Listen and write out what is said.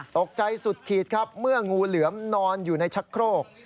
ตกใจสุดขีดครับเมื่องูเหลือมนอนอยู่ในชักโครก